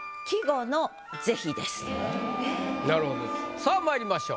さあまいりましょう。